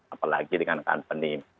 apalagi dengan company